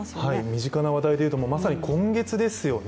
身近な話題でいうと、まさに今月ですよね。